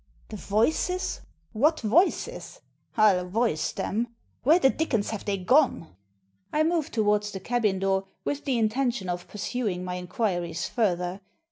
"The voices! What voices? I'll voice them! Where the dickens have they gone?" I moved towards the cabin door, with the inten tion of pursuing my inquiries further.